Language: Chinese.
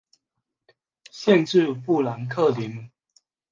县治富兰克林。